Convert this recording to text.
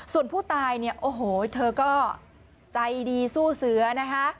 ส่วนผู้ตายเนี่ยโอ้โหเธอก็ใจดีสู้เสือนะคะ